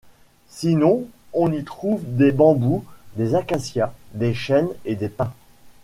Sinon on y trouve des bambous, des acacias, des chênes et des pins.